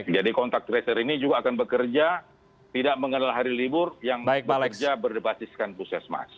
jadi kontak tracer ini juga akan bekerja tidak mengenal hari libur yang bekerja berbasiskan pusat mas